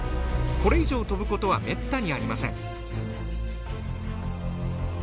これ以上飛ぶことはめったにありません。